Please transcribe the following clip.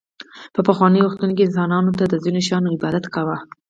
په پخوانیو وختونو کې انسانانو د ځینو شیانو عبادت کاوه